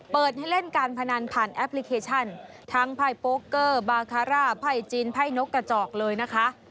เปิดให้เล่นการพนันผ่านแอปพลิเคชันทั้งไพ่โปเกอร์บาคาร่าไพ่จีนไพ่นกกระจอกเลยนะคะ